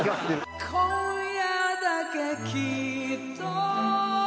「今夜だけきっと」